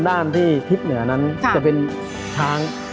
ด้านที่ทิศเหนือนั้นจะเป็นช้าง